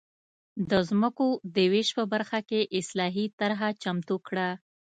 د ځمکو د وېش په برخه کې اصلاحي طرحه چمتو کړه.